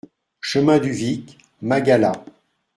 Chemin du Vic, Magalas